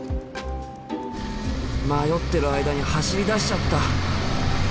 迷ってる間に走りだしちゃった！